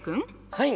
はい。